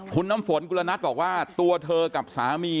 คุณนำฝนกุลณัทตัวเธอกับสามี